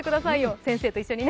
先生と一緒にね。